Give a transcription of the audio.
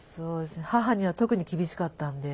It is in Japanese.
母には特に厳しかったんで。